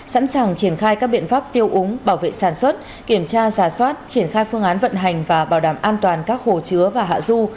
sẵn sàng triển khai các biện pháp tiêu úng bảo vệ sản xuất kiểm tra giả soát triển khai phương án vận hành và bảo đảm an toàn các hồ chứa và hạ du